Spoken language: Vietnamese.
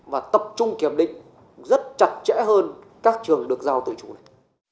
và tập trung kiểm định rất chặt chẽ hơn các trường được giao tự chủ này